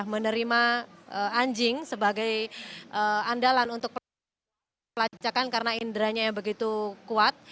menerima anjing sebagai andalan untuk pelacakan karena inderanya yang begitu kuat